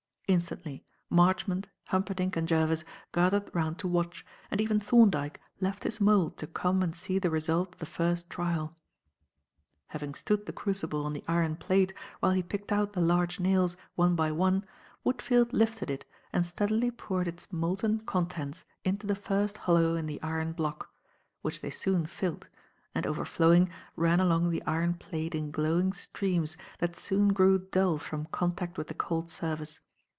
Instantly Marchmont, Humperdinck and Jervis gathered round to watch, and even Thorndyke left his mould to come and see the result of the first trial. Having stood the crucible on the iron plate while he picked out the large nails, one by one, Woodfield lifted it and steadily poured its molten contents into the first hollow in the iron block, which they soon filled, and overflowing ran along the iron plate in glowing streams that soon grew dull from contact with the cold surface.